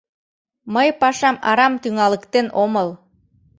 Мый пашам арам тӱҥалыктен омыл.